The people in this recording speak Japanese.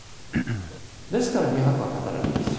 ですから２００話語れるんですよ。